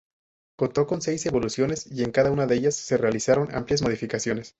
Contó con seis evoluciones y en cada una de ellas se realizaron amplias modificaciones.